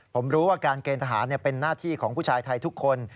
ผมรู้ว่าการเกณฑ์ทหารเป็นหน้าที่ของผู้ชายไทยทุกคน